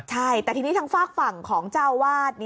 ใช่แต่ทีนี้ทางฝากฝั่งของเจ้าวาด